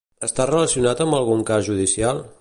Està relacionat amb algun cas judicial?